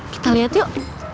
kita liat yuk